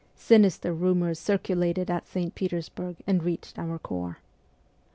Sinister rumours circulated at St. Petersburg and reached our corps.